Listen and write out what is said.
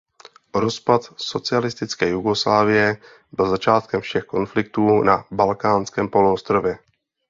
Rozpad socialistické Jugoslávie byl začátkem všech konfliktů na Balkánském poloostrově.